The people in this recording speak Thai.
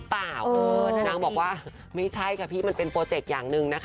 นางบอกว่าไม่ใช่ค่ะพี่มันเป็นโปรเจกต์อย่างหนึ่งนะคะ